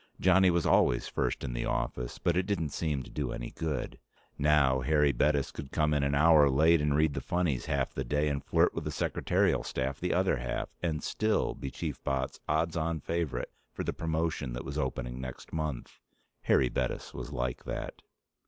Johnny was always first in the office, but it didn't seem to do any good. Now, Harry Bettis could come in an hour late and read the funnies half the day and flirt with the secretarial staff the other half and still be Chief Botts' odds on favorite for the promotion that was opening next month. Harry Bettis was like that.